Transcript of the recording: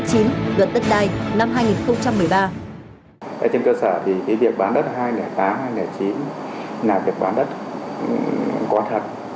trên cơ sở thì việc bán đất hai nghìn tám hai nghìn chín là việc bán đất có thật